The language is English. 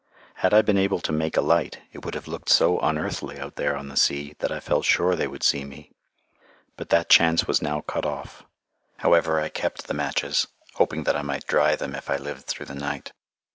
Had I been able to make a light, it would have looked so unearthly out there on the sea that I felt sure they would see me. But that chance was now cut off. However, I kept the matches, hoping that I might dry them if I lived through the night.